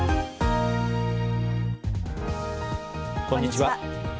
こんにちは。